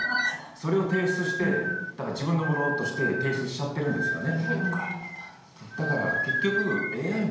それを提出してだから自分のものとして提出しちゃってるんですよね。